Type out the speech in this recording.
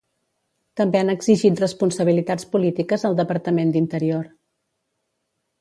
També han exigit responsabilitats polítiques al Departament d'Interior.